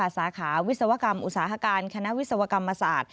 สาขาวิศวกรรมอุตสาหการคณะวิศวกรรมศาสตร์